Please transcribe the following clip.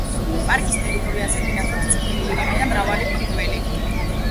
პარკის ტერიტორიაზე ბინადრობს წითელი ირემი და მრავალი ფრინველი.